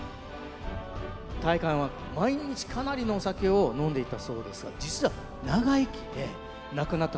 大観は毎日かなりのお酒を飲んでいたそうですが実は長生きで。